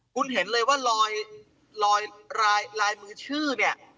คุณเห็นเลยว่ารอยลายมือชื่อเนี่ย